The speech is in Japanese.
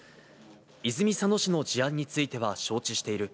泉佐野市の事案については、承知している。